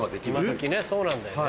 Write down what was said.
今どきねそうなんだよね。